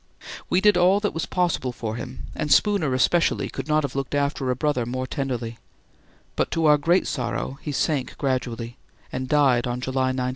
We did all that was possible for him, and Spooner especially could not have looked after a brother more tenderly; but to our great sorrow he sank gradually, and died on July 19.